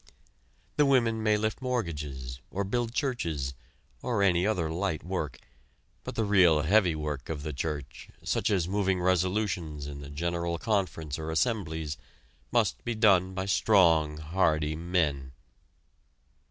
The women may lift mortgages, or build churches, or any other light work, but the real heavy work of the church, such as moving resolutions in the general conference or assemblies, must be done by strong, hardy men!